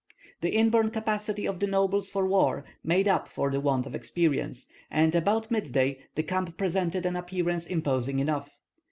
The inborn capacity of the nobles for war made up for the want of experience, and about midday the camp presented an appearance imposing enough.